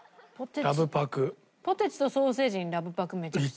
ポテチとソーセージにラブパクめちゃくちゃ合う。